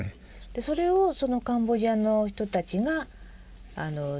それをカンボジアの人たちが直すと。